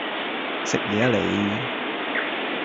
食野啦你